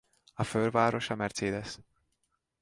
A fővárosa Mercedes.